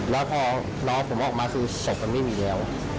แล้วพอน้องผมออกมาคือศพมันไม่มีแล้ว